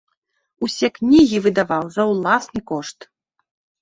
Усе кнігі выдаваў за ўласны кошт.